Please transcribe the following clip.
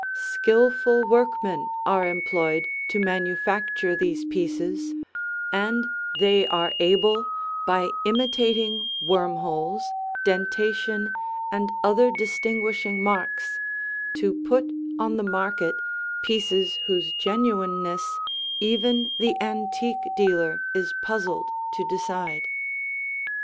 Skilful workmen are employed to manufacture these pieces, and they are able, by imitating worm holes, dentation, and other distinguishing marks, to put on the market pieces whose genuineness even the antique dealer is puzzled to decide.